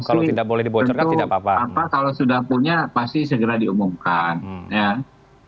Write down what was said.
kalau sudah punya pasti segera diumumkan